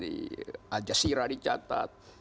di ajahsira dicatat